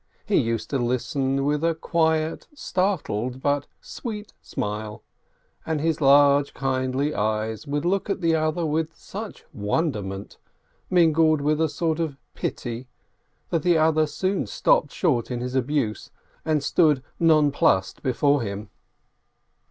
he used to listen with a quiet, startled, but sweet smile, and his large, kindly eyes would look at the other with such wonderment, mingled with a sort of pity, that the other soon stopped short in his abuse, and stood nonplussed before him.